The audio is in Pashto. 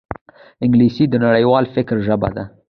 انګلیسي د نړیوال فکر ژبه ده